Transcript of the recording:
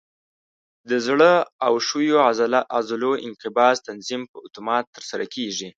د زړه او ښویو عضلو انقباض تنظیم په اتومات ترسره کېږي.